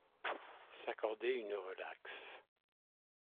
S’accorder une relaxe.